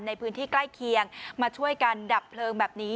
ในพื้นที่ใกล้เคียงมาช่วยกันดับเพลิงแบบนี้